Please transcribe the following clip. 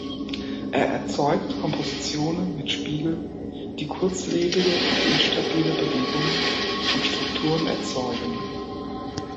Er erzeugt Kompositionen mit Spiegeln, die kurzlebige und instabile Bewegungen und Strukturen erzeugen.